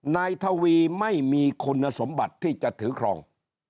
นายทวีไม่มีคุณสมบัติที่จะถือครอง